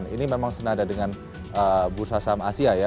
ini memang senada dengan bursa saham asia ya